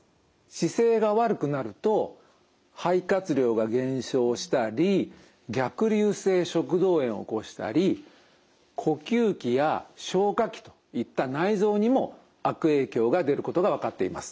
姿勢が悪くなると肺活量が減少したり逆流性食道炎を起こしたり呼吸器や消化器といった内臓にも悪影響が出ることが分かっています。